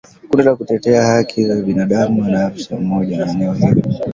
Kundi la kutetea haki za binadamu na afisa mmoja wa eneo hilo